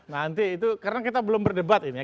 nanti itu karena kita belum berdebat ini ya